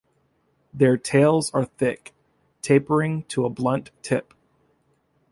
Their tails are thick, tapering to a blunt tip.